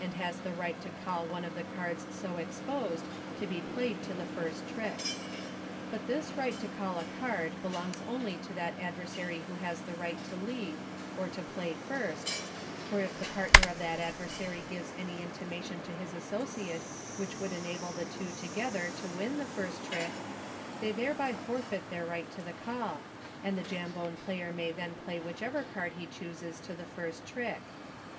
65 has the right to call one of the cards so ex posed, to be played to the first trick, But this right to call a card belongs only to that adversary who has the right to lead, or to play first, for if the partner of that adversary gives any intimation to his associate which would enable the two together to win the first trick, they thereby forfeit their right to the call, and the Jambone player may then play whichever card he chooses to the first trick.